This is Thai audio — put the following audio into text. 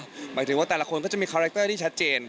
หมายถึงว่าแต่ละคนก็จะมีคาแรคเตอร์ที่ชัดเจน